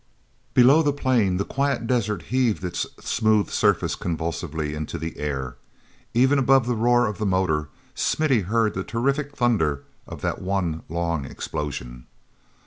Below the plane, the quiet desert heaved its smooth surface convulsively into the air. Even above the roar of the motor Smithy heard the terrific thunder of that one long explosion.